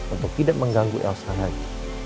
untuk tidak mengganggu elsa lagi